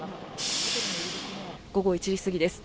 午後１時過ぎです。